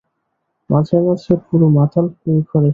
মাঝে-মাঝে পুরো মাতাল হয়ে ঘরে ফিরতেন।